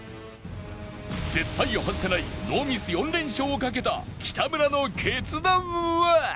絶対外せないノーミス４連勝をかけた北村の決断は？